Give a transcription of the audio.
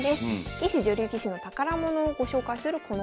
棋士女流棋士の宝物をご紹介するこのコーナー。